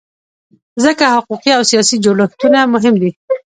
ځکه حقوقي او سیاسي جوړښتونه مهم دي.